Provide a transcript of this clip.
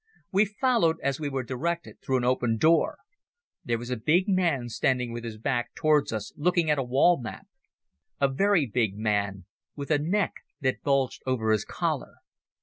We followed as we were directed through an open door. There was a man standing with his back towards us looking at a wall map, a very big man with a neck that bulged over his collar.